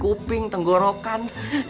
mulut kuping tenggorokan